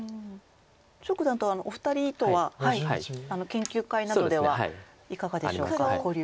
張九段とお二人とは研究会などではいかがでしょう交流。